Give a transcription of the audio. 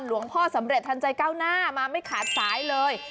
หลวงพ่อสำหรัฐทันใจเก้ามาไม่ขาดสายเลย